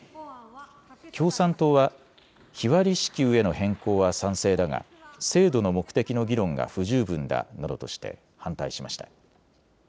共産党は日割り支給への変更は賛成だが制度の目的の議論が不十分だなどとして反対しました。